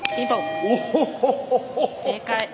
正解！